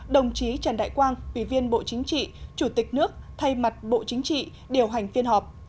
đồng chí trần đại quang ủy viên bộ chính trị chủ tịch nước thay mặt bộ chính trị điều hành phiên họp